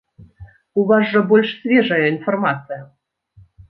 У вас жа больш свежая інфармацыя!